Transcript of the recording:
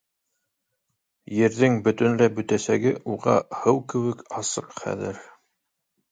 Ерҙең бөтөнләй бөтәсәге уға һыу кеүек асыҡ хәҙер.